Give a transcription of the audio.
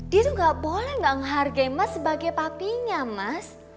dia tuh ga boleh ga ngehargai mas sebagai papinya mas